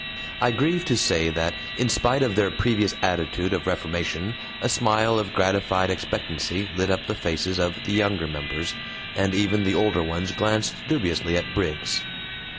I grieve to say that in spite of their previous attitude of reformation a smile of gratified expectancy lit up the faces of the younger members, and even the older ones glanced dubiously at Briggs.